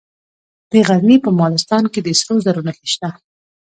د غزني په مالستان کې د سرو زرو نښې شته.